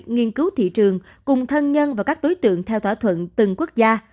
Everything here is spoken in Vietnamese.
nghiên cứu thị trường cùng thân nhân và các đối tượng theo thỏa thuận từng quốc gia